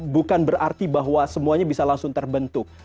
bukan berarti bahwa semuanya bisa langsung terbentuk